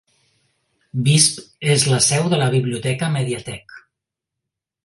Visp és la seu de la biblioteca "Mediathek".